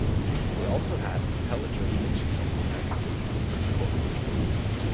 They also had appellate jurisdiction over the United States district courts.